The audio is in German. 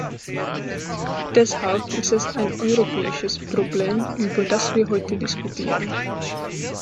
Deshalb ist es ein europäisches Problem, über das wir heute diskutieren.